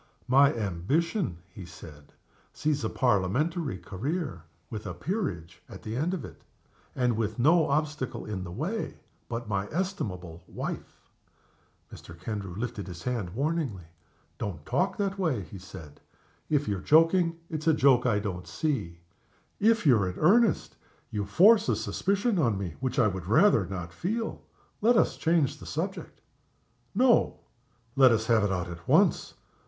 "My ambition," he said, "sees a Parliamentary career, with a Peerage at the end of it and with no obstacle in the way but my estimable wife." Mr. Kendrew lifted his hand warningly. "Don't talk in that way," he said. "If you're joking it's a joke I don't see. If you're in earnest you force a suspicion on me which I would rather not feel. Let us change the subject." "No! Let us have it out at once.